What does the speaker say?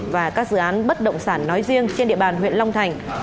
và các dự án bất động sản nói riêng trên địa bàn huyện long thành